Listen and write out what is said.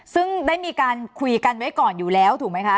ซึ่งได้มีการคุยกันไว้ก่อนอยู่แล้วถูกไหมคะ